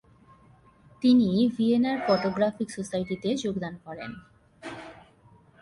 তিনি ভিয়েনার ফটোগ্রাফিক সোসাইটিতে যোগদান করেন।